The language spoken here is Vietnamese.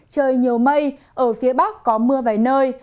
trời nhiều mây ở phía bắc có mưa vài nơi